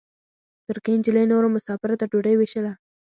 ترکۍ نجلۍ نورو مساپرو ته ډوډۍ وېشله.